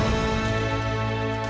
ketika mereka berpikir